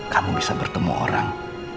kamu bisa bertemu orang